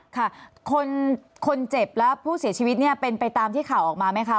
ค่ะคนเจ็บและผู้เสียชีวิตเนี่ยเป็นไปตามที่ข่าวออกมาไหมคะ